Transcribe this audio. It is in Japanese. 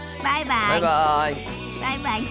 バイバイ。